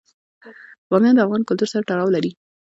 بامیان د افغان کلتور سره تړاو لري.